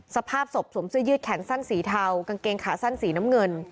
สภาพศพสวมเสื้อยืดแขนสั้นสีเทากางเกงขาสั้นสีน้ำเงิน